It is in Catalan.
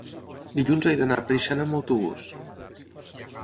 dilluns he d'anar a Preixana amb autobús.